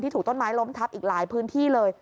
ถูกต้นไม้ล้มทับอีกหลายพื้นที่เลย